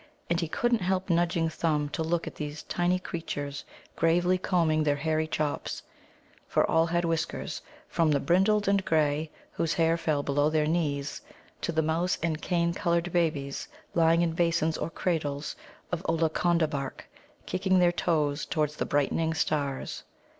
And he couldn't help nudging Thumb to look at these tiny creatures gravely combing their hairy chops for all had whiskers, from the brindled and grey, whose hair fell below their knees, to the mouse and cane coloured babies lying in basins or cradles of Ollaconda bark, kicking their toes towards the brightening stars.